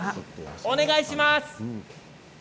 お願いします。